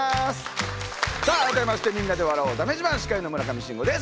さあ改めましてみんなで笑おうだめ自慢司会の村上信五です。